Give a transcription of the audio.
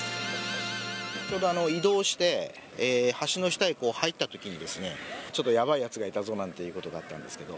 ちょうど移動して、橋の下へ入ったときに、ちょっとやばいやつがいたぞなんていうことだったんですけど。